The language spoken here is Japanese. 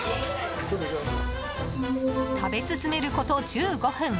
食べ進めること１５分。